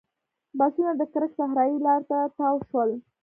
بسونه د کرک صحرایي لارې ته تاو شول.